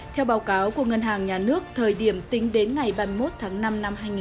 theo báo cáo của ngân hàng nhà nước thời điểm tính đến ngày ba mươi một tháng năm năm hai nghìn một mươi chín